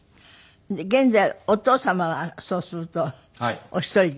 現在お父様はそうするとお一人で？